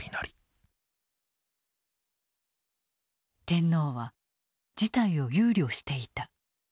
天皇は事態を憂慮していた。